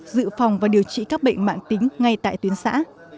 dự phòng và điều trị các bệnh mạng tính ngay tại tuyến xã